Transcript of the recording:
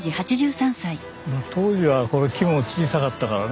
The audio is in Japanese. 当時はこの木も小さかったからね。